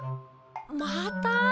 また？